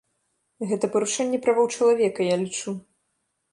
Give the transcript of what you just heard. Гэта парушэнне правоў чалавека, я лічу.